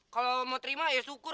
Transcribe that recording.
kalau mau terima ya syukur